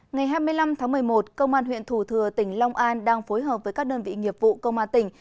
ngày hai mươi năm tháng một mươi một công an huyện thủ thừa tỉnh long an đang phối hợp với các đơn vị nghiệp vụ công an tỉnh